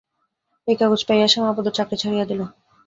এই কাগজ পাইয়া শ্যামাপদ চাকরি ছাড়িয়া দিল।